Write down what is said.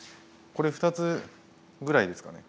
これ２つぐらいですかね？